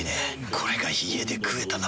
これが家で食えたなら。